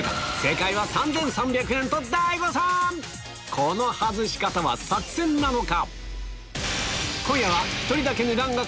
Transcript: この外し方は作戦なのか？